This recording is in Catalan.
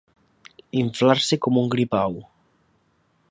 Inflar-se com un gripau.